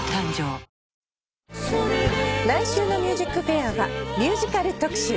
来週の『ＭＵＳＩＣＦＡＩＲ』はミュージカル特集。